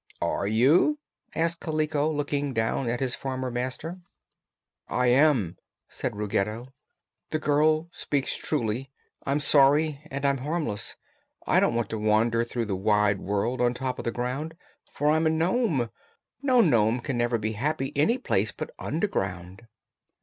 "Are you?" asked Kaliko, looking down at his former master. "I am," said Ruggedo. "The girl speaks truly. I'm sorry and I'm harmless. I don't want to wander through the wide world, on top of the ground, for I'm a nome. No nome can ever be happy any place but underground."